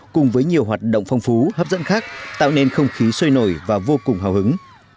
cùng với nhiều hoạt động phong phú hấp dẫn khác tạo nên không khí sôi nổi và vô cùng hào hứng